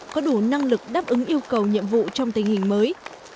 có đủ năng lực đáp ứng yêu cầu nhiệm vụ trong tình hình mới